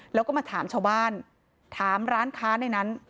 แล้วก็มาถามชาวบ้านถามร้านค้าในนั้น